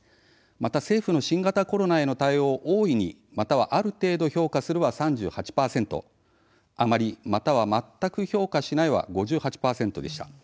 また政府の新型コロナへの対応を大いに、またはある程度評価するは３８％あまり、または全く評価しないは５８％でした。